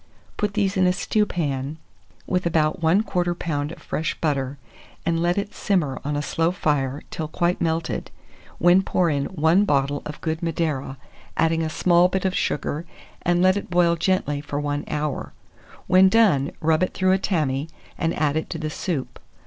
Put these in a stewpan, with about 1/4 lb. of fresh butter, and let it simmer on a slow fire till quite melted, when pour in 1 bottle of good Madeira, adding a small bit of sugar, and let it boil gently for 1 hour. When done, rub it through a tammy, and add it to the soup.